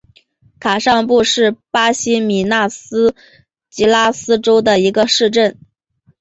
卡尚布是巴西米纳斯吉拉斯州的一个市镇。